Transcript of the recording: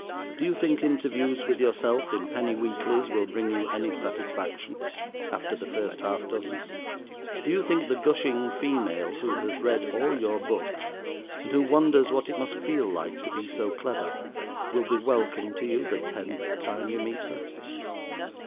Do you think interviews with yourself in penny weeklies will bring you any satisfaction after the first halfdozen? Do you think the gushing female who has read all your books, and who wonders what it must feel like to be so clever, will be welcome to you the tenth time you meet her?